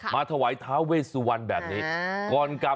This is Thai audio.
มาถวายท้าเวสวันแบบนี้